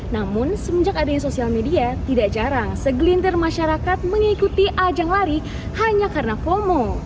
namun semenjak adanya sosial media tidak jarang segelintir masyarakat mengikuti ajang lari hanya karena promo